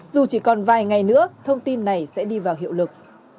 dù chỉ còn vài ngày nữa thông tin này sẽ đi vào hiệu lực